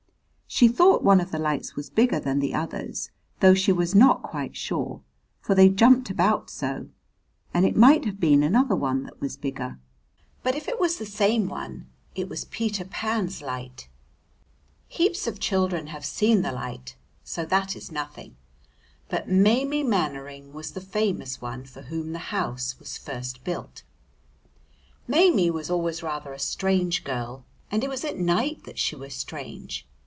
She thought one of the lights was bigger than the others, though she was not quite sure, for they jumped about so, and it might have been another one that was bigger. But if it was the same one, it was Peter Pan's light. Heaps of children have seen the light, so that is nothing. But Maimie Mannering was the famous one for whom the house was first built. Maimie was always rather a strange girl, and it was at night that she was strange.